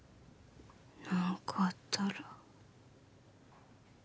「何かあったら」